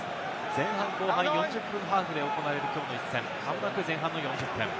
前半、後半、４０分ハーフで行われるきょうの一戦、間もなく前半の４０分。